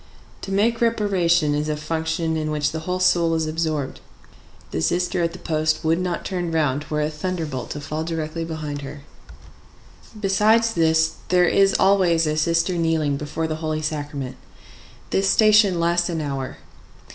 To make reparation is a function in which the whole soul is absorbed. The sister at the post would not turn round were a thunderbolt to fall directly behind her. Besides this, there is always a sister kneeling before the Holy Sacrament. This station lasts an hour.